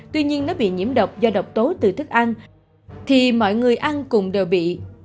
tuy nhiên nó bị nhiễm độc do độc tố từ thức ăn thì mọi người ăn cùng đều bị